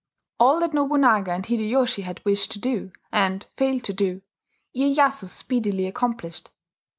All that Nobunaga and Hideyoshi had wished to do, and failed to do, Iyeyasu speedily accomplished.